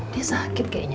dia sakit kayaknya